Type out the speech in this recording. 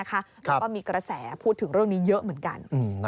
แล้วก็มีกระแสพูดถึงเรื่องนี้เยอะเหมือนกัน